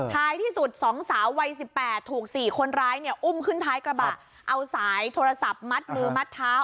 ท้ายที่สุดสองสาววัย๑๘ถูก๔คนร้ายเนี่ยอุ้มขึ้นท้ายกระบะเอาสายโทรศัพท์มัดมือมัดเท้า